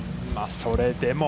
それでも。